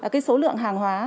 cái số lượng hàng hóa